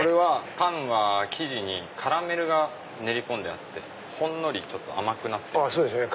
パンは生地にカラメルが練り込んであってほんのり甘くなってます。